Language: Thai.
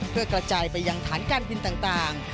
เพื่อกระจายไปยังฐานการบินต่าง